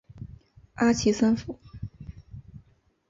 阿奇森府。